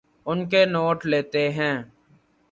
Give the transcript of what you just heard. ان کے نوٹ لیتے ہیں